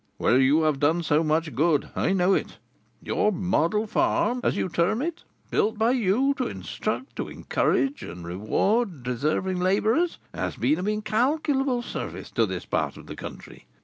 "Where you have done so much good. I know it. Your 'model farm,' as you term it, built by you to instruct, to encourage, and to reward deserving labourers, has been of incalculable service to this part of the country.